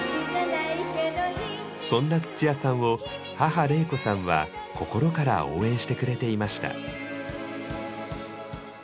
そんなつちやさんを母玲子さんは心から応援してくれていました。